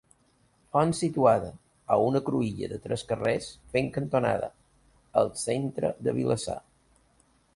Font situada, a una cruïlla de tres carrers fent cantonada, al centre de Vilassar.